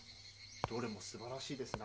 どれもすばらしいですな。